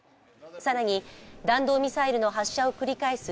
更に弾道ミサイルの発射を繰り返す